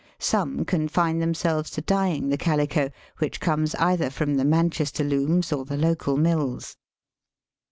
Some confine themselves to dyeing the calico, which comes either from the Manchester looms or the local mills.